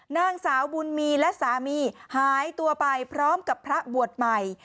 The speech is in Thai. นางสาวบุญมีและสามีหายตัวไปพร้อมกับพระบวชใหม่